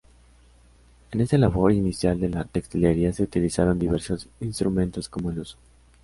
En esta labor inicial de la textilería se utilizaron diversos instrumentos como el huso.